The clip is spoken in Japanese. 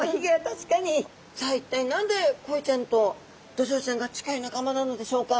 さあ一体何でコイちゃんとドジョウちゃんが近い仲間なのでしょうか。